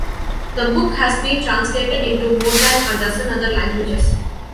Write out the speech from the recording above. The book has been translated into more than a dozen other languages.